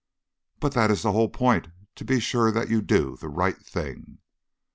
"But that is the whole point to be sure that you do the right thing."